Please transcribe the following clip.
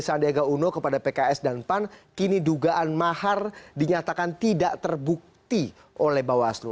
sandiaga uno kepada pks dan pan kini dugaan mahar dinyatakan tidak terbukti oleh bawaslu